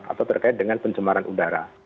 atau terkait dengan pencemaran udara